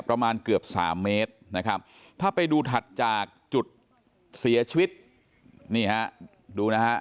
ประมาณเกือบสามเมตรนะครับถ้าไปดูถัดจากจุดเสียชีวิตนี่ฮะดูนะฮะ